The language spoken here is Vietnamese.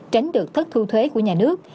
tránh được thất thu thuế của nhà nước